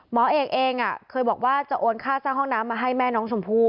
หมอเอกเองเคยบอกว่าจะโอนค่าสร้างห้องน้ำมาให้แม่น้องชมพู่